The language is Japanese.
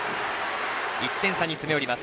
１点差に詰め寄ります。